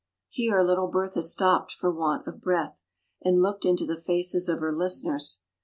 Here little Bertha stopped for want of breath, and looked into the faces of her listeners.